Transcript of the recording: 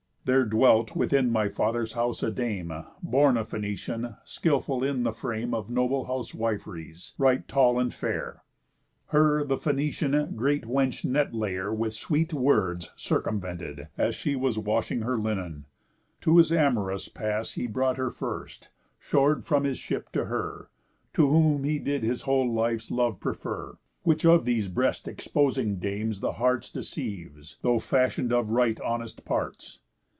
There dwelt within my father's house a dame, Born a Phœnician, skilful in the frame Of noble housewif'ries, right tall and fair. Her the Phœnician great wench net lay'r With sweet words circumvented, as she was Washing her linen. To his amorous pass He brought her first, shor'd from his ship to her; To whom he did his whole life's love prefer, Which of these breast exposing dames the hearts Deceives, though fashion'd of right honest parts.